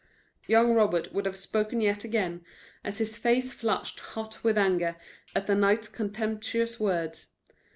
Young Robert would have spoken yet again as his face flushed hot with anger at the knight's contemptuous words.